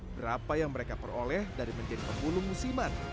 berapa yang mereka peroleh dari menjadi pemulung musiman